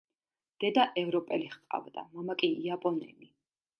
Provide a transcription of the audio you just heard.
დედა ევროპელი ჰყავდა, მამა კი იაპონელი.